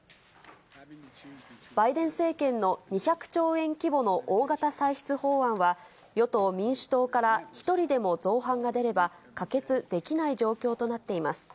バイデン政権の２００兆円規模の大型歳出法案は、与党・民主党から１人でも造反が出れば、可決できない状況となっています。